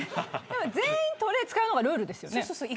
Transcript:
全員トレーを使うのがルールですよね。